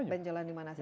benjolan di mana saja